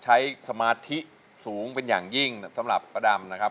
ใช้สมาทิสูงเป็นอย่างยิ่งสำหรับประดำ